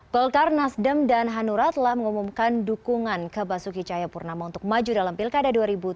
golkar nasdem dan hanura telah mengumumkan dukungan ke basuki cahayapurnama untuk maju dalam pilkada dua ribu tujuh belas